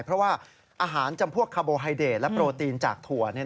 เพราะว่าอาหารจำพวกคาโบไฮเดตและโปรตีนจากถั่ว